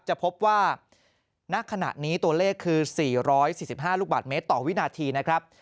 จะพบว่าณขณะนี้ตัวเลขคือ๔๔๕ลูกบาทเมตรต่อวินาทีนะครับ